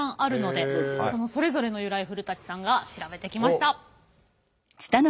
それぞれの由来古さんが調べてきました。